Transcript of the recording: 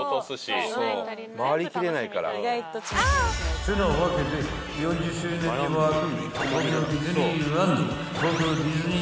［ってなわけで４０周年に沸く］